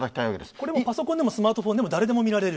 これはもう、パソコンでもスマートフォンでも誰でも見られる？